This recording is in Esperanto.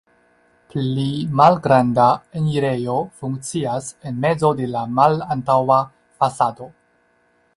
Pli malgranda enirejo funkcias en mezo de la malantaŭa fasado.